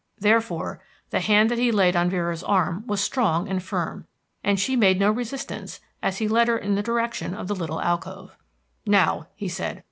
Therefore, the hand that he laid on Vera's arm was strong and firm, and she made no resistance as he led her in the direction of the little alcove. "Now," he said.